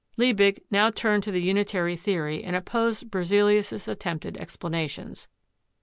Lie big now turned to the unitary theory and opposed Berze lius's attempted explanations.